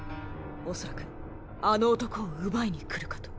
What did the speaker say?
おそらくあの男を奪いに来るかと。